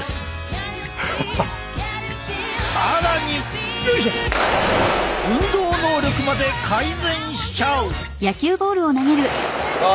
更に運動能力まで改善しちゃう！